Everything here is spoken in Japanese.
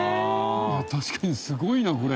確かにすごいなこれ。